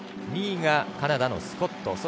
２位がカナダのスコット。